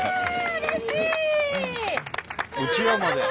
うれしい！